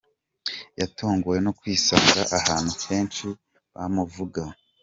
Yatunguwe no kwisanga ahantu henshi bamuvuga.